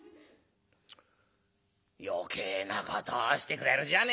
「余計なことをしてくれるじゃねえかお前。